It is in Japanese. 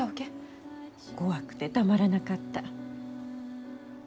怖くてたまらなかった。